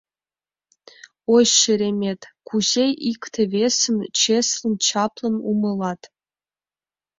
Ой, шеремет, кузе икте-весым чеслын-чаплын умылат.